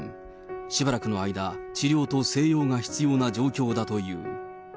しばらくの間、治療と静養が必要な状況だという。